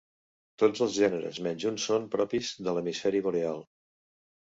Tots els gèneres menys un són propis de l'hemisferi boreal.